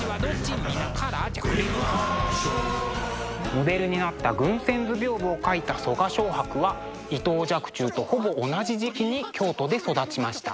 モデルになった「群仙図屏風」を描いた我蕭白は伊藤若冲とほぼ同じ時期に京都で育ちました。